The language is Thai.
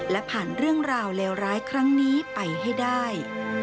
และผ่านเรื่องราวเลวร้ายครั้งนี้ไปให้ได้